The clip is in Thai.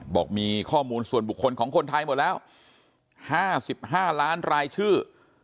บอกมีข้อมูลส่วนบุคคลของคนไทยหมดแล้ว๕๕ล้านรายชื่อ